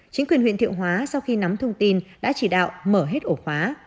chính quyền huyện thiệu hóa sau khi nắm thông tin đã chỉ đạo mở hết ổ khóa